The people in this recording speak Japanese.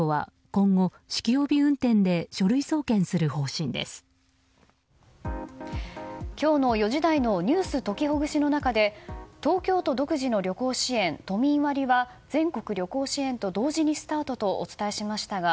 今日の４時台のｎｅｗｓときほぐしの中で東京都独自の旅行支援都民割は全国旅行支援と同時にスタートとお伝えしましたが